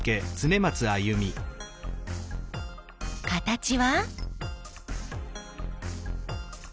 形は？